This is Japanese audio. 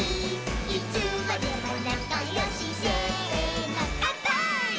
「いつまでもなかよしせーのかんぱーい！！」